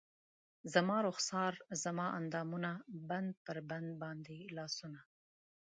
زما رخسار زما اندامونه بند پر بند باندې لاسونه